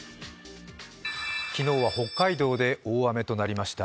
昨日は北海道で大雨となりました。